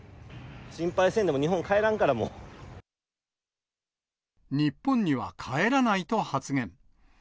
心配せんでも、日本には帰らないと発言。